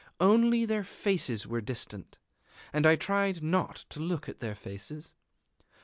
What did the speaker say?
Only their faces were distinct; and I tried not to look at their faces.